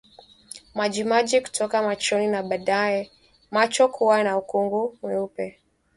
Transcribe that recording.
Majimaji kutoka machoni na baadaye macho kuwa na ukungu mweupe